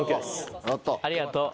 ありがとう。